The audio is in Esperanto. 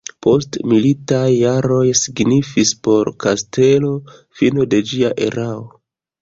Postmilitaj jaroj signifis por kastelo fino de ĝia erao.